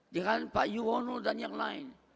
dengan pak yuwono dan yang lain